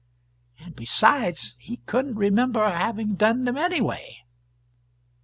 And besides, he couldn't remember having done them, anyway.